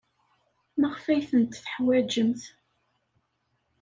Maɣef ay ten-teḥwajemt?